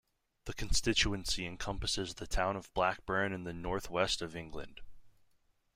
The constituency encompasses the town of Blackburn in the North West of England.